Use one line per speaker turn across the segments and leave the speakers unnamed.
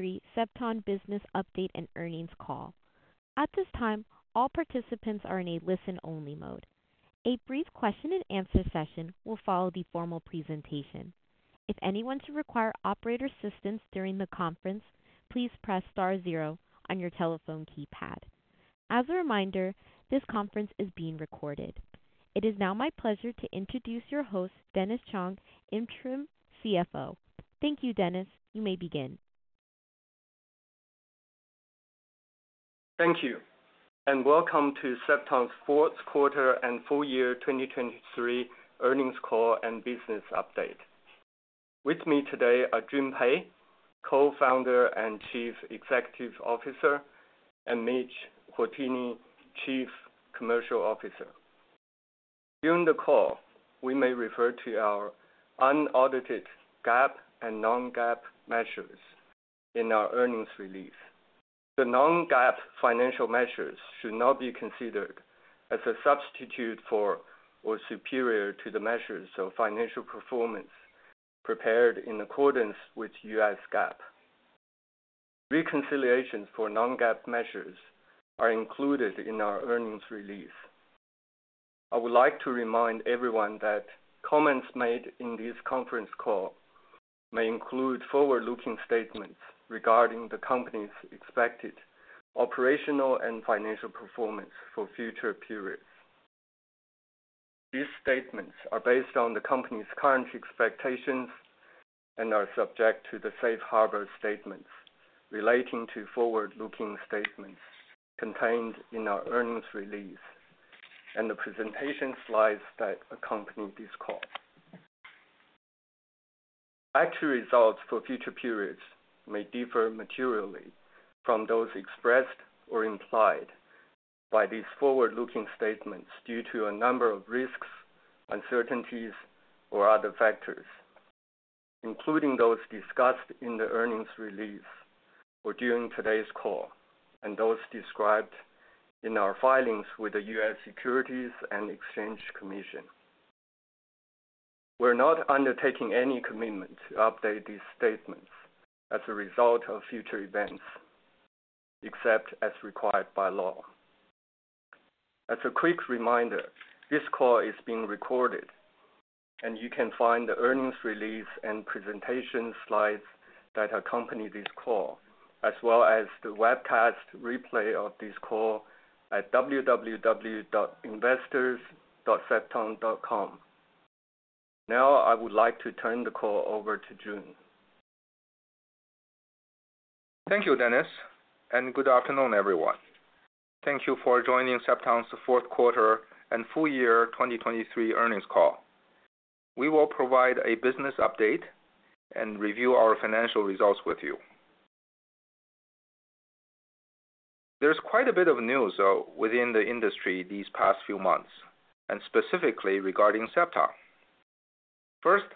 Q3 Cepton Business Update and Earnings Call. At this time, all participants are in a listen-only mode. A brief question-and-answer session will follow the formal presentation. If anyone should require operator assistance during the conference, please press star zero on your telephone keypad. As a reminder, this conference is being recorded. It is now my pleasure to introduce your host, Dennis Chang, Interim CFO. Thank you, Dennis. You may begin.
Thank you, and welcome to Cepton's fourth quarter and full year 2023 earnings call and business update. With me today are Jun Pei, Co-founder and Chief Executive Officer, and Mitch Hourtienne, Chief Commercial Officer. During the call, we may refer to our unaudited GAAP and non-GAAP measures in our earnings release. The non-GAAP financial measures should not be considered as a substitute for or superior to the measures of financial performance prepared in accordance with U.S. GAAP. Reconciliations for non-GAAP measures are included in our earnings release. I would like to remind everyone that comments made in this conference call may include forward-looking statements regarding the company's expected operational and financial performance for future periods. These statements are based on the company's current expectations and are subject to the safe harbor statements relating to forward-looking statements contained in our earnings release and the presentation slides that accompany this call. Actual results for future periods may differ materially from those expressed or implied by these forward-looking statements due to a number of risks, uncertainties, or other factors, including those discussed in the earnings release or during today's call and those described in our filings with the U.S. Securities and Exchange Commission. We're not undertaking any commitment to update these statements as a result of future events, except as required by law. As a quick reminder, this call is being recorded, and you can find the earnings release and presentation slides that accompany this call, as well as the webcast replay of this call at www.investors.cepton.com. Now I would like to turn the call over to Jun.
Thank you, Dennis, and good afternoon, everyone. Thank you for joining Cepton's fourth quarter and full year 2023 earnings call. We will provide a business update and review our financial results with you. There's quite a bit of news within the industry these past few months, and specifically regarding Cepton. First,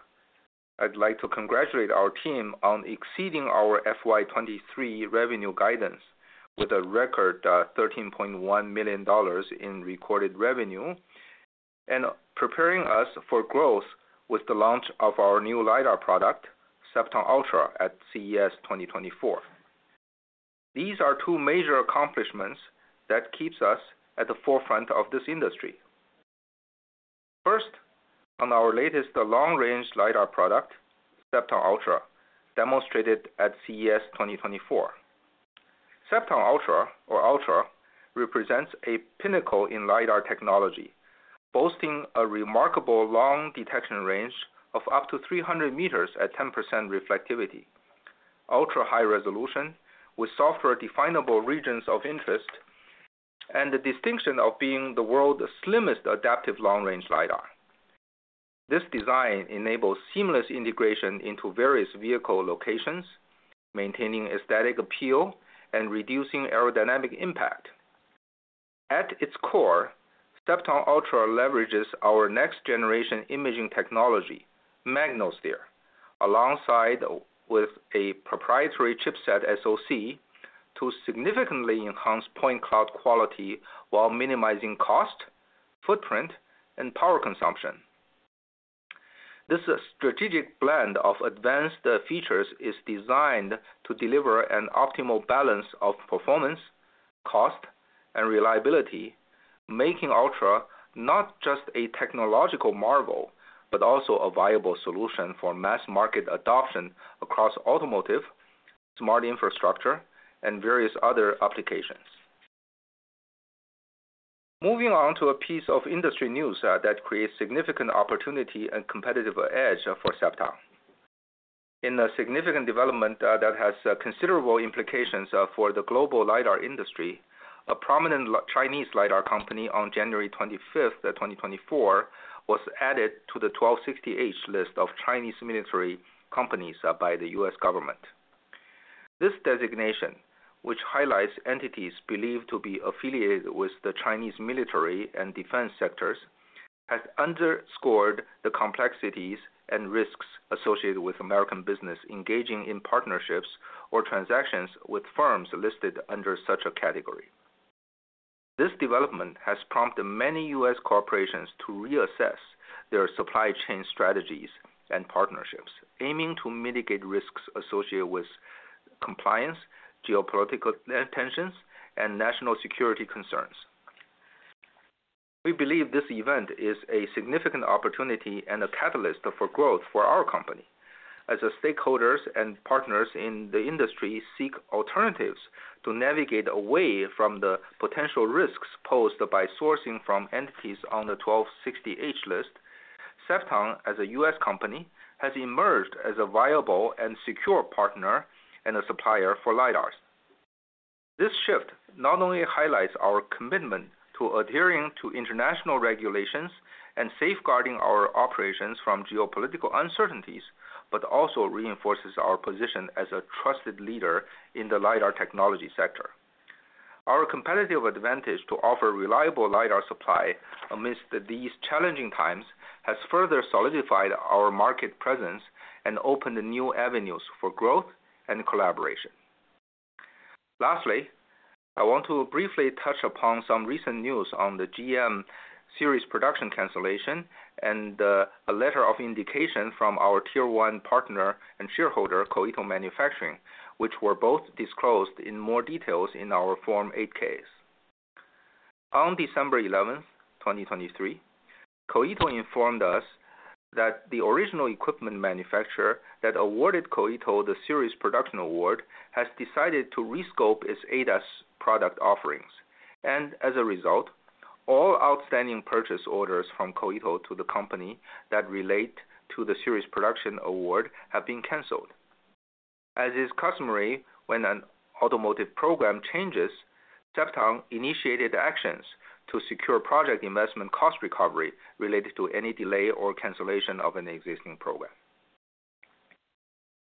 I'd like to congratulate our team on exceeding our FY23 revenue guidance with a record $13.1 million in recorded revenue and preparing us for growth with the launch of our new LiDAR product, Cepton Ultra, at CES 2024. These are two major accomplishments that keep us at the forefront of this industry. First, on our latest long-range LiDAR product, Cepton Ultra, demonstrated at CES 2024. Cepton Ultra, or Ultra, represents a pinnacle in LiDAR technology, boasting a remarkable long detection range of up to 300 meters at 10% reflectivity, ultra-high resolution with software-definable regions of interest, and the distinction of being the world's slimmest adaptive long-range LiDAR. This design enables seamless integration into various vehicle locations, maintaining aesthetic appeal and reducing aerodynamic impact. At its core, Cepton Ultra leverages our next-generation imaging technology, MagnoSteer, alongside a proprietary chipset SoC to significantly enhance point cloud quality while minimizing cost, footprint, and power consumption. This strategic blend of advanced features is designed to deliver an optimal balance of performance, cost, and reliability, making Ultra not just a technological marvel but also a viable solution for mass market adoption across automotive, smart infrastructure, and various other applications. Moving on to a piece of industry news that creates significant opportunity and competitive edge for Cepton. In a significant development that has considerable implications for the global LiDAR industry, a prominent Chinese LiDAR company on January 25, 2024, was added to the 1260H List of Chinese military companies by the U.S. government. This designation, which highlights entities believed to be affiliated with the Chinese military and defense sectors, has underscored the complexities and risks associated with American business engaging in partnerships or transactions with firms listed under such a category. This development has prompted many U.S. corporations to reassess their supply chain strategies and partnerships, aiming to mitigate risks associated with compliance, geopolitical tensions, and national security concerns. We believe this event is a significant opportunity and a catalyst for growth for our company. As stakeholders and partners in the industry seek alternatives to navigate away from the potential risks posed by sourcing from entities on the 1260H List, Cepton, as a U.S. company, has emerged as a viable and secure partner and a supplier for LiDARs. This shift not only highlights our commitment to adhering to international regulations and safeguarding our operations from geopolitical uncertainties but also reinforces our position as a trusted leader in the LiDAR technology sector. Our competitive advantage to offer reliable LiDAR supply amidst these challenging times has further solidified our market presence and opened new avenues for growth and collaboration. Lastly, I want to briefly touch upon some recent news on the GM series production cancellation and a letter of indication from our Tier-One partner and shareholder, Koito Manufacturing, which were both disclosed in more details in our Form 8-K. On December 11, 2023, Koito informed us that the original equipment manufacturer that awarded Koito the Series Production Award has decided to rescope its ADAS product offerings. As a result, all outstanding purchase orders from Koito to the company that relate to the Series Production Award have been canceled. As is customary, when an automotive program changes, Cepton initiated actions to secure project investment cost recovery related to any delay or cancellation of an existing program.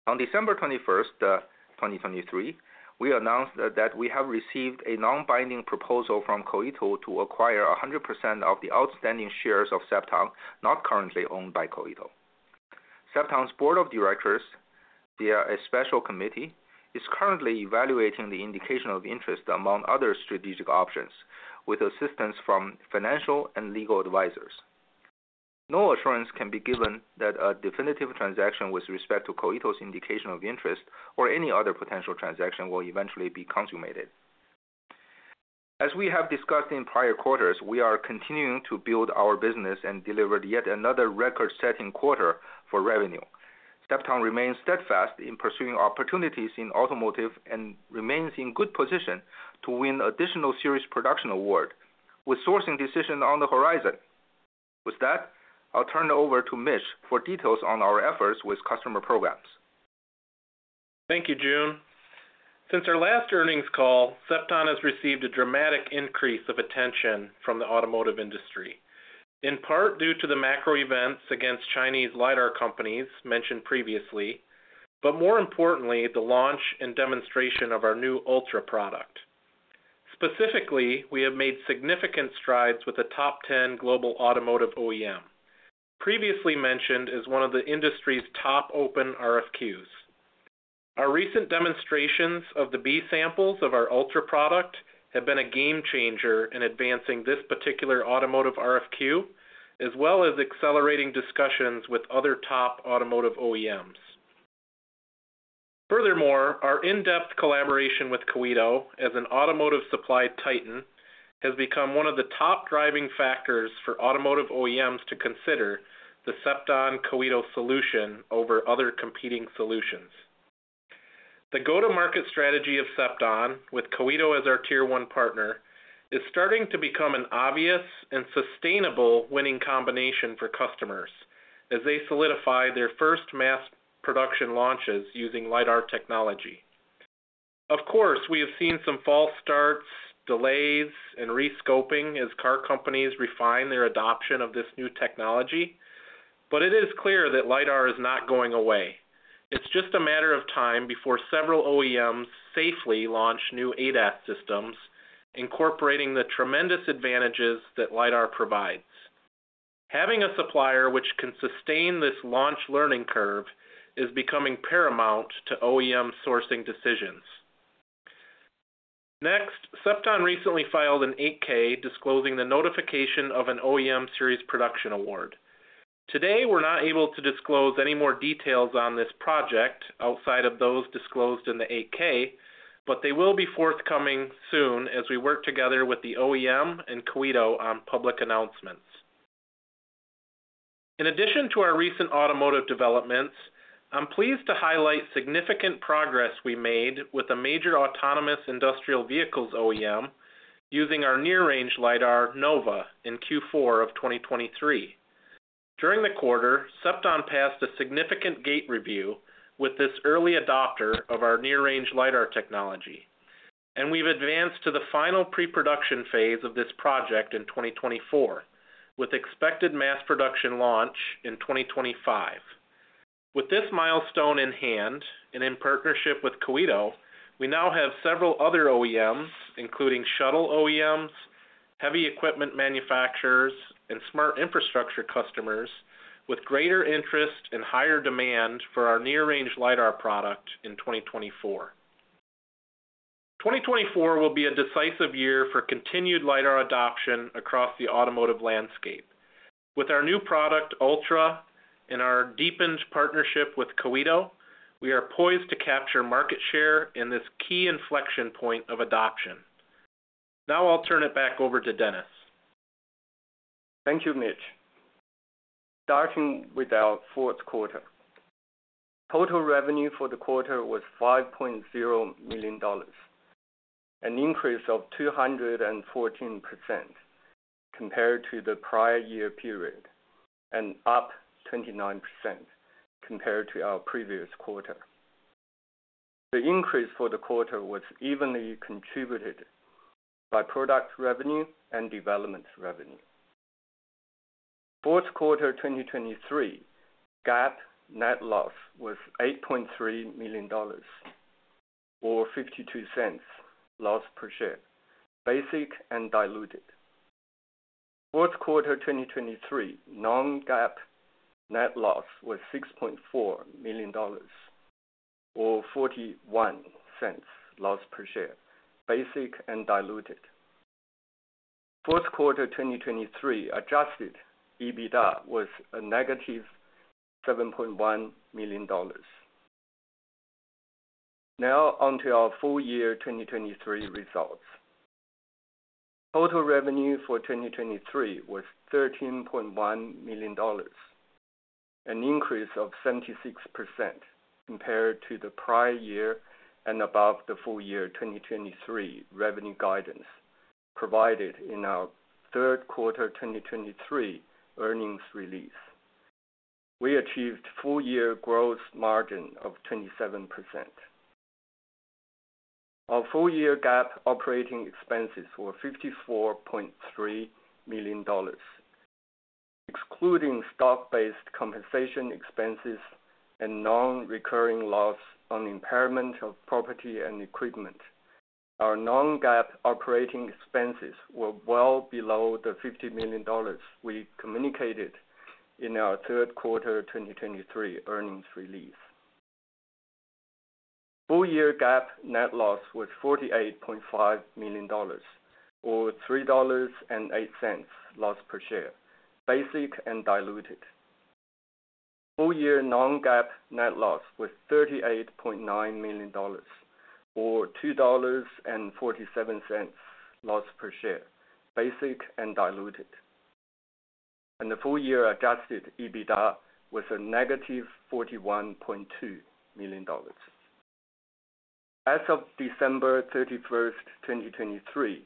On December 21, 2023, we announced that we have received a non-binding proposal from Koito to acquire 100% of the outstanding shares of Cepton not currently owned by Koito. Cepton's board of directors, via a special committee, is currently evaluating the indication of interest among other strategic options with assistance from financial and legal advisors. No assurance can be given that a definitive transaction with respect to Koito's indication of interest or any other potential transaction will eventually be consummated. As we have discussed in prior quarters, we are continuing to build our business and delivered yet another record-setting quarter for revenue. Cepton remains steadfast in pursuing opportunities in automotive and remains in good position to win additional Series Production Award with sourcing decision on the horizon. With that, I'll turn it over to Mitch for details on our efforts with customer programs.
Thank you, Jun. Since our last earnings call, Cepton has received a dramatic increase of attention from the automotive industry, in part due to the macro events against Chinese LiDAR companies mentioned previously, but more importantly, the launch and demonstration of our new Ultra product. Specifically, we have made significant strides with the top 10 global automotive OEM, previously mentioned as one of the industry's top open RFQs. Our recent demonstrations of the B Samples of our Ultra product have been a game changer in advancing this particular automotive RFQ, as well as accelerating discussions with other top automotive OEMs. Furthermore, our in-depth collaboration with Koito as an automotive supply titan has become one of the top driving factors for automotive OEMs to consider the Cepton-Koito solution over other competing solutions. The go-to-market strategy of Cepton, with Koito as our Tier-One partner, is starting to become an obvious and sustainable winning combination for customers as they solidify their first mass production launches using LiDAR technology. Of course, we have seen some false starts, delays, and rescoping as car companies refine their adoption of this new technology, but it is clear that LiDAR is not going away. It's just a matter of time before several OEMs safely launch new ADAS systems incorporating the tremendous advantages that LiDAR provides. Having a supplier which can sustain this launch learning curve is becoming paramount to OEM sourcing decisions. Next, Cepton recently filed an 8-K disclosing the notification of an OEM Series Production Award. Today, we're not able to disclose any more details on this project outside of those disclosed in the 8-K, but they will be forthcoming soon as we work together with the OEM and Koito on public announcements. In addition to our recent automotive developments, I'm pleased to highlight significant progress we made with a major autonomous industrial vehicles OEM using our near-range LiDAR, Nova, in Q4 of 2023. During the quarter, Cepton passed a significant gate review with this early adopter of our near-range LiDAR technology, and we've advanced to the final pre-production phase of this project in 2024 with expected mass production launch in 2025. With this milestone in hand and in partnership with Koito, we now have several other OEMs, including shuttle OEMs, heavy equipment manufacturers, and smart infrastructure customers with greater interest and higher demand for our near-range LiDAR product in 2024. 2024 will be a decisive year for continued LiDAR adoption across the automotive landscape. With our new product, Ultra, and our deepened partnership with Koito, we are poised to capture market share in this key inflection point of adoption. Now I'll turn it back over to Dennis.
Thank you, Mitch. Starting with our fourth quarter, total revenue for the quarter was $5.0 million, an increase of 214% compared to the prior year period and up 29% compared to our previous quarter. The increase for the quarter was evenly contributed by product revenue and development revenue. Fourth quarter 2023, GAAP net loss was $8.3 million or $0.52 loss per share, basic and diluted. Fourth quarter 2023, non-GAAP net loss was $6.4 million or $0.41 loss per share, basic and diluted. Fourth quarter 2023, adjusted EBITDA was a negative $7.1 million. Now onto our full year 2023 results. Total revenue for 2023 was $13.1 million, an increase of 76% compared to the prior year and above the full year 2023 revenue guidance provided in our third quarter 2023 earnings release. We achieved full year gross margin of 27%. Our full year GAAP operating expenses were $54.3 million. Excluding stock-based compensation expenses and non-recurring loss on impairment of property and equipment, our non-GAAP operating expenses were well below the $50 million we communicated in our third quarter 2023 earnings release. Full year GAAP net loss was $48.5 million or $3.08 loss per share, basic and diluted. Full year non-GAAP net loss was $38.9 million or $2.47 loss per share, basic and diluted. The full year adjusted EBITDA was -$41.2 million. As of December 31, 2023,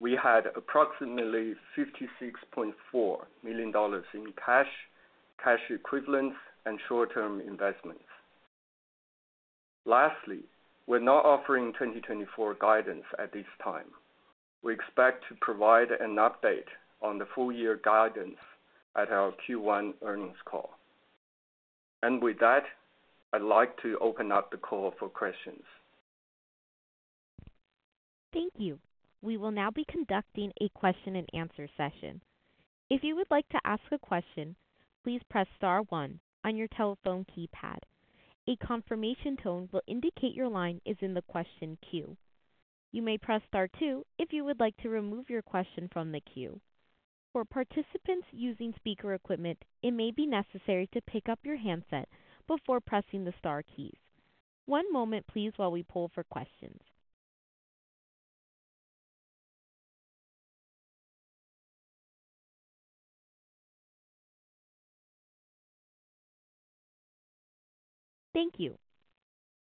we had approximately $56.4 million in cash, cash equivalents, and short-term investments. Lastly, we're not offering 2024 guidance at this time. We expect to provide an update on the full year guidance at our Q1 earnings call. With that, I'd like to open up the call for questions.
Thank you. We will now be conducting a question-and-answer session. If you would like to ask a question, please press star 1 on your telephone keypad. A confirmation tone will indicate your line is in the question queue. You may press star two if you would like to remove your question from the queue. For participants using speaker equipment, it may be necessary to pick up your handset before pressing the star keys. One moment please while we pull for questions. Thank you.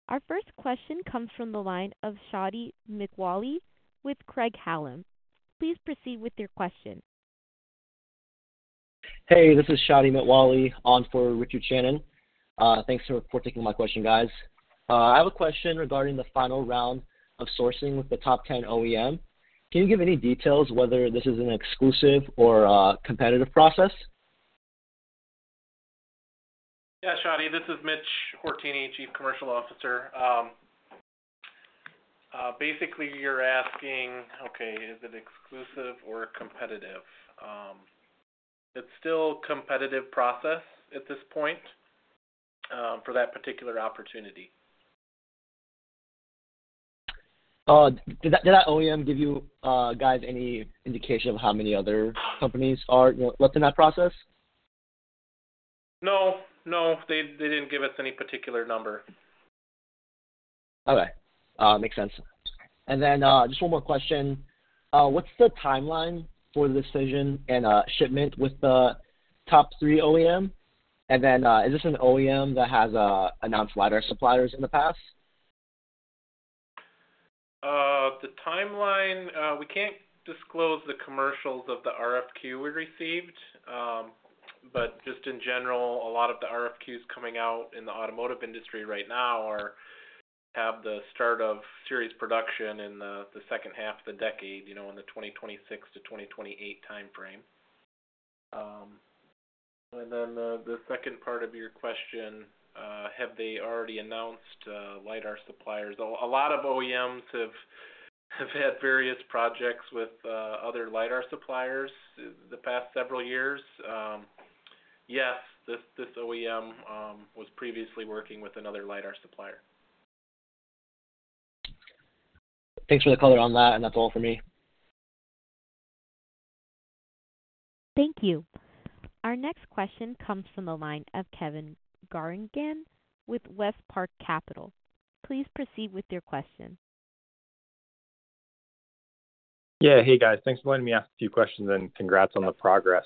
Our first question comes from the line of Shadi Mitwalli with Craig-Hallum. Please proceed with your question.
Hey, this is Shadi Mitwalli on for Richard Shannon. Thanks for taking my question, guys. I have a question regarding the final round of sourcing with the top 10 OEM. Can you give any details whether this is an exclusive or competitive process?
Yeah, Shadi. This is Mitch Hourtienne, Chief Commercial Officer. Basically, you're asking, okay, is it exclusive or competitive? It's still a competitive process at this point for that particular opportunity.
Did that OEM give you guys any indication of how many other companies are left in that process?
No, no. They didn't give us any particular number.
Okay. Makes sense. And then just one more question. What's the timeline for the decision and shipment with the top three OEM? And then is this an OEM that has announced LiDAR suppliers in the past?
The timeline, we can't disclose the commercials of the RFQ we received. But just in general, a lot of the RFQs coming out in the automotive industry right now have the start of series production in the second half of the decade, in the 2026-2028 timeframe. And then the second part of your question, have they already announced LiDAR suppliers? A lot of OEMs have had various projects with other LiDAR suppliers the past several years. Yes, this OEM was previously working with another LiDAR supplier.
Thanks for the color on that, and that's all from me.
Thank you. Our next question comes from the line of Kevin Garrigan with WestPark Capital. Please proceed with your question.
Yeah, hey, guys. Thanks for letting me ask a few questions, and congrats on the progress.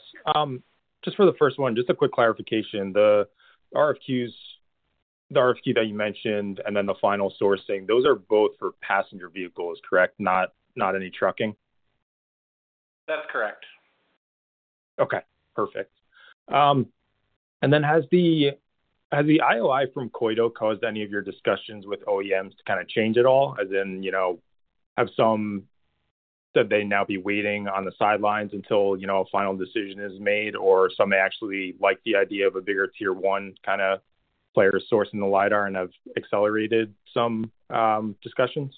Just for the first one, just a quick clarification, the RFQs that you mentioned and then the final sourcing, those are both for passenger vehicles, correct? Not any trucking?
That's correct.
Okay. Perfect. And then has the IOI from Koito caused any of your discussions with OEMs to kind of change at all? As in, have some said they'd now be waiting on the sidelines until a final decision is made, or some may actually like the idea of a bigger tier-one kind of player sourcing the LiDAR and have accelerated some discussions?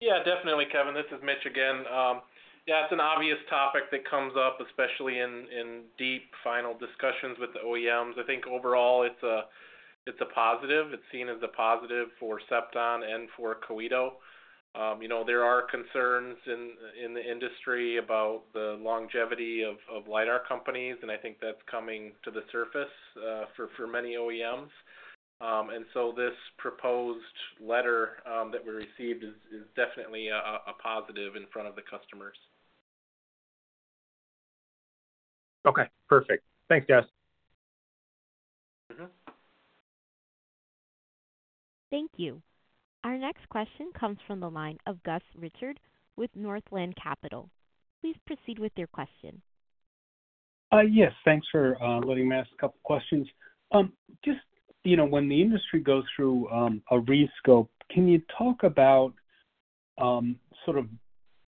Yeah, definitely, Kevin. This is Mitch again. Yeah, it's an obvious topic that comes up, especially in deep final discussions with the OEMs. I think overall, it's a positive. It's seen as a positive for Cepton and for Koito. There are concerns in the industry about the longevity of LiDAR companies, and I think that's coming to the surface for many OEMs. And so this proposed letter that we received is definitely a positive in front of the customers.
Okay. Perfect. Thanks, guys.
Thank you. Our next question comes from the line of Gus Richard with Northland Capital Markets. Please proceed with your question.
Yes. Thanks for letting me ask a couple of questions. Just when the industry goes through a rescope, can you talk about sort of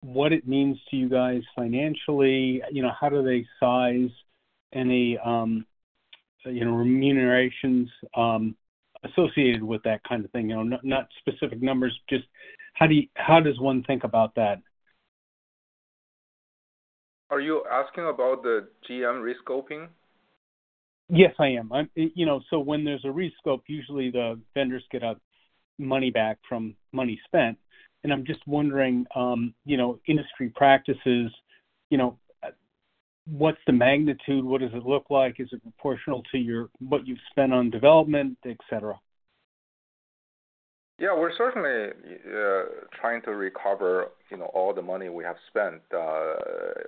what it means to you guys financially? How do they size any remunerations associated with that kind of thing? Not specific numbers, just how does one think about that?
Are you asking about the GM rescoping?
Yes, I am. So when there's a rescope, usually the vendors get money back from money spent. And I'm just wondering, industry practices, what's the magnitude? What does it look like? Is it proportional to what you've spent on development, etc.?
Yeah, we're certainly trying to recover all the money we have spent,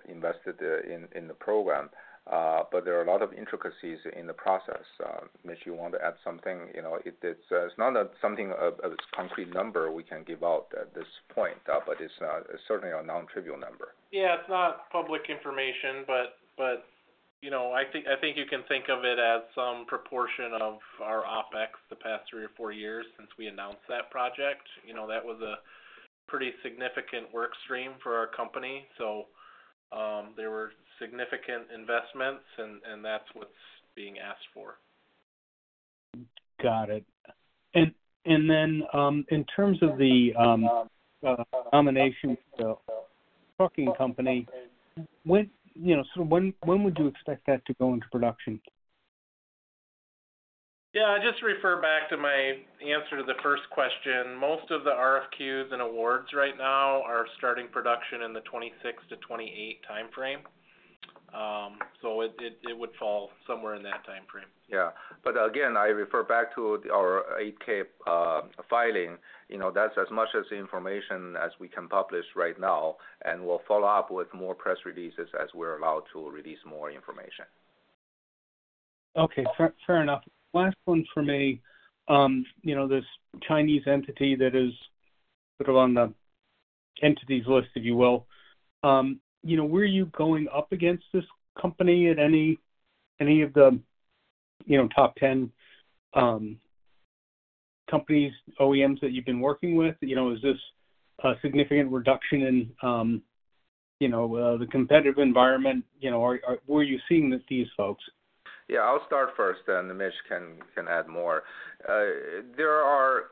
invested in the program. But there are a lot of intricacies in the process. Mitch, you want to add something? It's not something a concrete number we can give out at this point, but it's certainly a non-trivial number.
Yeah, it's not public information, but I think you can think of it as some proportion of our OpEx the past three or four years since we announced that project. That was a pretty significant workstream for our company. There were significant investments, and that's what's being asked for.
Got it. And then in terms of the nomination for the trucking company, sort of when would you expect that to go into production?
Yeah, I'll just refer back to my answer to the first question. Most of the RFQs and awards right now are starting production in the 2026-2028 timeframe. So it would fall somewhere in that timeframe.
Yeah. But again, I refer back to our 8-K filing. That's as much information as we can publish right now, and we'll follow up with more press releases as we're allowed to release more information.
Okay. Fair enough. Last one for me, this Chinese entity that is sort of on the entities list, if you will. Were you going up against this company at any of the top 10 companies, OEMs that you've been working with? Is this a significant reduction in the competitive environment? Were you seeing these folks?
Yeah, I'll start first, and Mitch can add more. There are,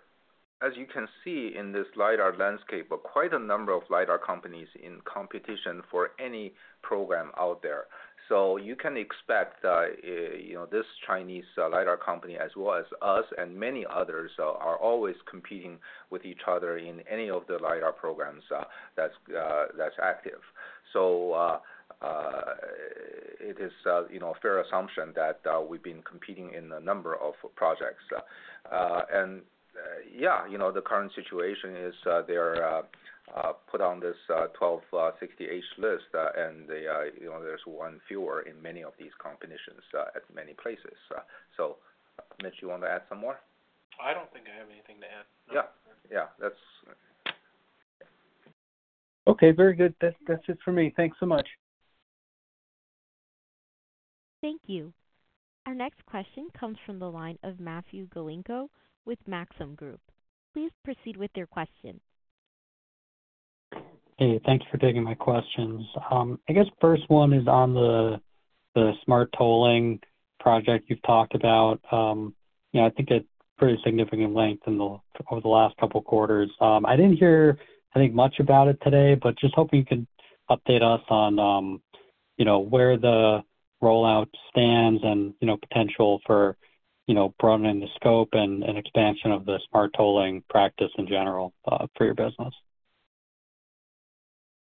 as you can see in this LiDAR landscape, quite a number of LiDAR companies in competition for any program out there. So you can expect that this Chinese LiDAR company, as well as us and many others, are always competing with each other in any of the LiDAR programs that's active. So it is a fair assumption that we've been competing in a number of projects. And yeah, the current situation is they're put on this 1260H List, and there's one fewer in many of these competitions at many places. So Mitch, you want to add some more?
I don't think I have anything to add. Nope.
Yeah. Yeah. That's.
Okay. Very good. That's it for me. Thanks so much.
Thank you. Our next question comes from the line of Matthew Galinko with Maxim Group. Please proceed with your question.
Hey, thanks for taking my questions. I guess first one is on the smart tolling project you've talked about. I think it's pretty significant length over the last couple of quarters. I didn't hear, I think, much about it today, but just hoping you can update us on where the rollout stands and potential for broadening the scope and expansion of the smart tolling practice in general for your business.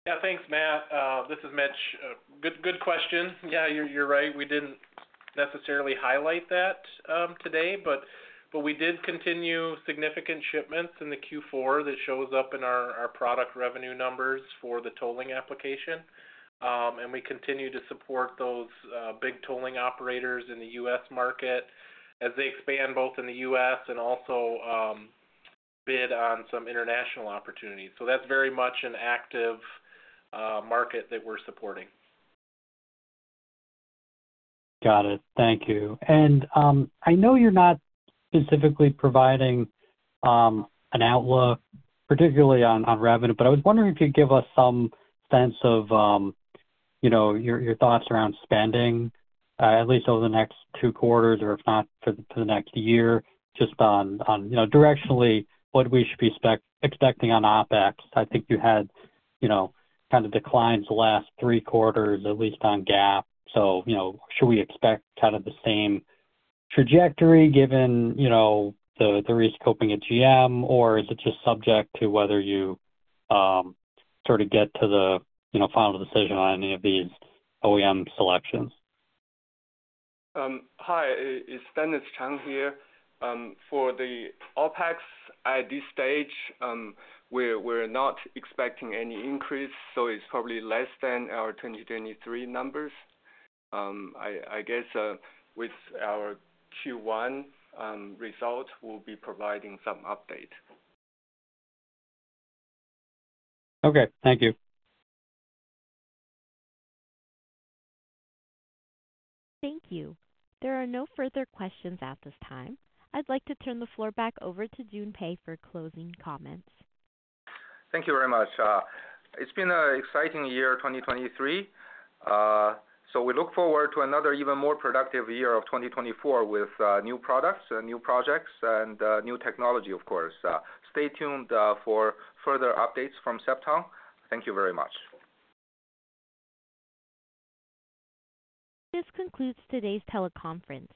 Yeah, thanks, Matt. This is Mitch. Good question. Yeah, you're right. We didn't necessarily highlight that today, but we did continue significant shipments in the Q4 that shows up in our product revenue numbers for the tolling application. And we continue to support those big tolling operators in the U.S. market as they expand both in the U.S. and also bid on some international opportunities. So that's very much an active market that we're supporting.
Got it. Thank you. I know you're not specifically providing an outlook, particularly on revenue, but I was wondering if you'd give us some sense of your thoughts around spending, at least over the next two quarters or if not for the next year, just on directionally what we should be expecting on OpEx. I think you had kind of declines the last three quarters, at least on GAAP. So should we expect kind of the same trajectory given the rescoping at GM, or is it just subject to whether you sort of get to the final decision on any of these OEM selections?
Hi. It's Dennis Chang here. For the OpEx, at this stage, we're not expecting any increase, so it's probably less than our 2023 numbers. I guess with our Q1 result, we'll be providing some update.
Okay. Thank you.
Thank you. There are no further questions at this time. I'd like to turn the floor back over to Jun Pei for closing comments.
Thank you very much. It's been an exciting year, 2023. So we look forward to another, even more productive year of 2024 with new products, new projects, and new technology, of course. Stay tuned for further updates from Cepton. Thank you very much.
This concludes today's teleconference.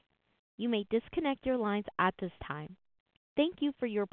You may disconnect your lines at this time. Thank you for your.